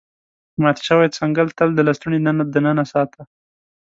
مات شوی څنګل تل د لستوڼي دننه ساته.